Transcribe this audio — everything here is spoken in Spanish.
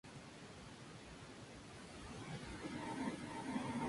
En el presente, sólo se conservan dos unidades del Atlantic.